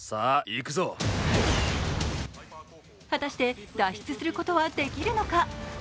果たして脱出することはできるのか。